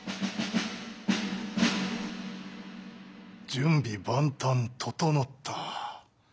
準備万端整った。